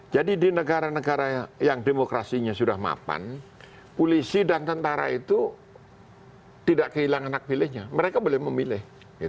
jadi di negara negara yang demokrasinya sudah mapan polisi dan tentara itu tidak kehilangan hak pilihnya mereka boleh memilih